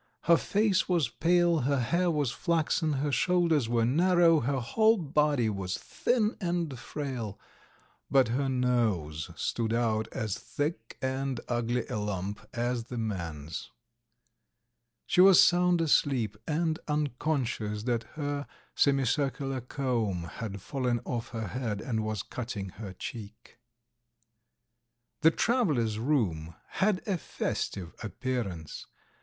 Her face was pale, her hair was flaxen, her shoulders were narrow, her whole body was thin and frail, but her nose stood out as thick and ugly a lump as the man's. She was sound asleep, and unconscious that her semi circular comb had fallen off her head and was cutting her cheek. The "travellers' room" had a festive appearance.